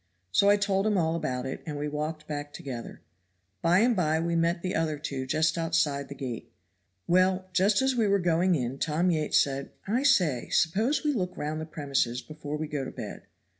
So I told him all about it, and we walked back together. By and by we met the other two just outside the gate. Well, just as we were going in Tom Yates said, 'I say, suppose we look round the premises before we go to bed.'